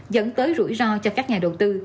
dẫn tới rủi ro cho các nhà đầu tư